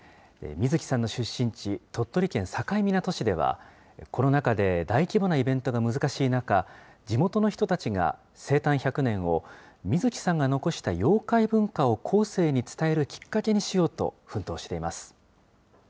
水木さんの出身地、鳥取県境港市では、コロナ禍で大規模なイベントが難しい中、地元の人たちが、生誕１００年を、水木さんが残した妖怪文化を後世に伝えるきっかけにしようと奮闘